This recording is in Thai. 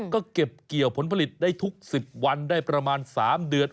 ก็เก็บเกี่ยวผลผลิตได้ทุก๑๐วันได้ประมาณ๓เดือน